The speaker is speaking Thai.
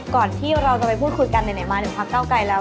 ก่อนที่เราจะไปพูดคุยกันไหนมาถึงพักเก้าไกลแล้ว